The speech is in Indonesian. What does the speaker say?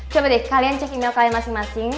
coba deh kalian cuci email kalian masing masing